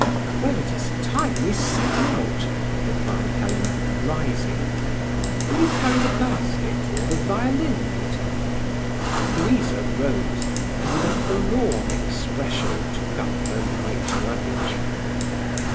"Well, it is time we set out," replied Helena, rising. "Will you carry the basket or the violin, Mater?" Louisa rose, and with a forlorn expression took up her light luggage.